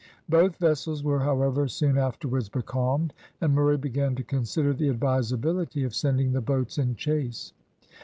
Both vessels were, however, soon afterwards becalmed, and Murray began to consider the advisability of sending the boats in chase.